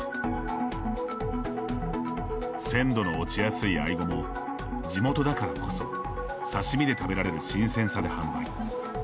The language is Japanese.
鮮度の落ちやすいアイゴも地元だからこそ刺身で食べられる新鮮さで販売。